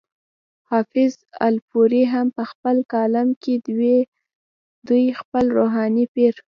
حافظ الپورۍ هم پۀ خپل کالم کې دوي خپل روحاني پير